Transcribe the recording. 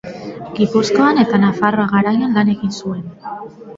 Gipuzkoan eta Nafarroa Garaian lan egin zuen.